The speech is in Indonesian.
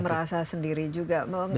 tidak merasa sendiri juga